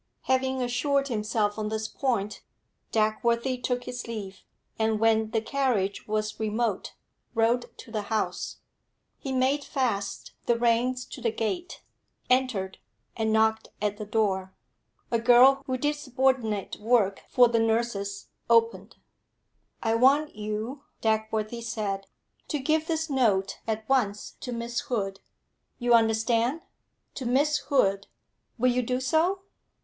Having assured himself on this point, Dagworthy took his leave, and, when the carriage was remote, rode to the house. He made fast the reins to the gate, entered, and knocked at the door. A girl who did subordinate work for the nurses opened. 'I want you,' Dagworthy said, 'to give this note at once to Miss Hood. You understand? to Miss Hood. Will you do so?'